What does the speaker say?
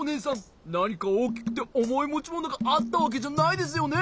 なにかおおきくておもいもちものがあったわけじゃないですよね？